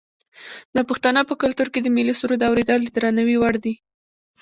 د پښتنو په کلتور کې د ملي سرود اوریدل د درناوي وړ دي.